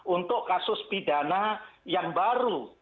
untuk kasus pidana yang baru